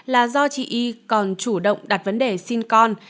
là do chị y còn chủ động đặt vấn đề xin con